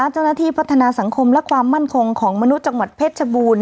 เจ้าหน้าที่พัฒนาสังคมและความมั่นคงของมนุษย์จังหวัดเพชรชบูรณ